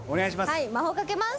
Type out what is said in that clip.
魔法かけます」